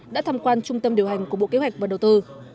đã tham quan trung tâm điều hành của bộ kế hoạch và đầu tư